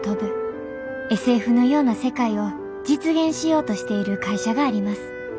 ＳＦのような世界を実現しようとしている会社があります